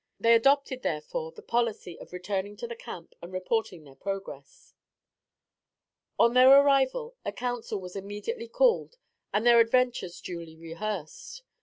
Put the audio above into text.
They adopted therefore the policy of returning to the camp and reporting their progress. On their arrival, a council was immediately called and their adventures duly rehearsed.